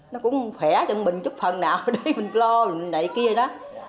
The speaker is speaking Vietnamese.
nó cũng khỏe cho mình chút phần nào đi mình lo này kia đó